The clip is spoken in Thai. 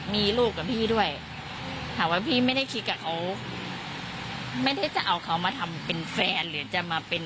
ครับ